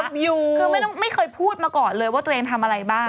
คือไม่เคยพูดมาก่อนเลยว่าตัวเองทำอะไรบ้าง